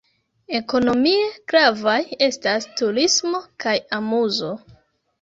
Ekonomie gravaj estas turismo kaj amuzo.